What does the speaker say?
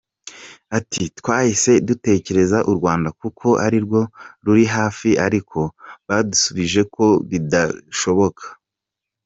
Ati “Twahise dutekereza u Rwanda kuko arirwo ruri hafi ariko badusubije ko bidashoboka.